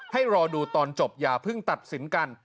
ให้รอดูตอนจบอย่าเพิ่งตัดสินกัน